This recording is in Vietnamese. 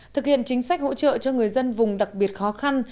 thực hiện chính sách hỗ trợ cho người dân vùng đặc biệt khó khăn